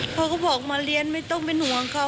เขาก็บอกมาเรียนไม่ต้องเป็นห่วงเขา